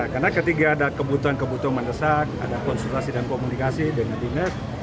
karena ketika ada kebutuhan kebutuhan mendesak ada konsultasi dan komunikasi dengan dinas